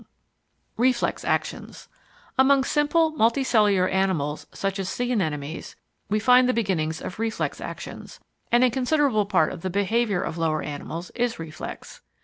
] Reflex Actions Among simple multicellular animals, such as sea anemones, we find the beginnings of reflex actions, and a considerable part of the behaviour of the lower animals is reflex.